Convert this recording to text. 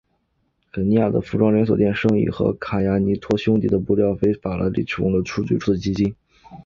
塔迪尼的服装连锁店生意和卡尼亚托兄弟的布料产业为法拉利提供了最初所需的资金。